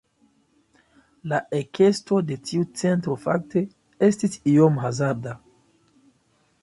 La ekesto de tiu centro fakte estis iom hazarda.